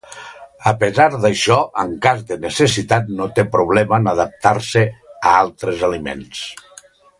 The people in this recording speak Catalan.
A pesar d'això en cas de necessitat no té problema en adaptar-se a altres aliments.